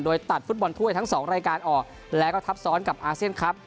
โดยตัดฟุตบอลถ้วยทั้งสองรายการออกแล้วก็ทับซ้อนกับอาเซียนครับ